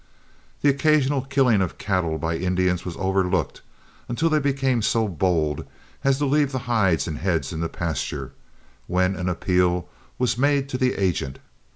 The occasional killing of cattle by Indians was overlooked, until they became so bold as to leave the hides and heads in the pasture, when an appeal was made to the agent.